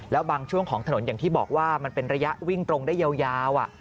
แล้วบางช่วงของถนนอย่างที่บอกว่ามันเป็นระยะวิ่งตรงได้ยาว